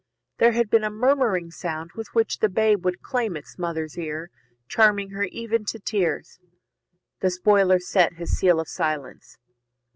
There had been a murmuring sound With which the babe would claim its mother's ear, Charming her even to tears. The spoiler set His seal of silence.